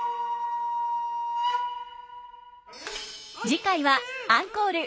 次回はアンコール。